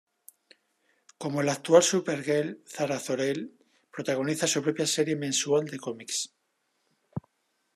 Como la actual Supergirl, Kara Zor-El protagoniza su propia serie mensual de cómics.